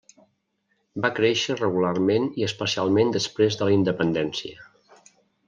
Va créixer regularment i especialment després de la independència.